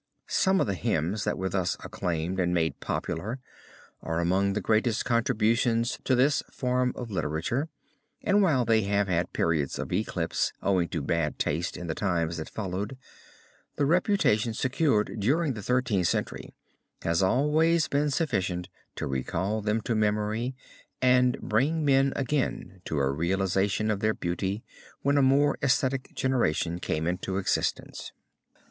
Some of the hymns that were thus acclaimed and made popular are among the greatest contributions to this form of literature, and while they have had periods of eclipse owing to bad taste in the times that followed, the reputation secured during the Thirteenth Century has always been sufficient to recall them to memory and bring men again to a realization of their beauty when a more esthetic generation came into existence.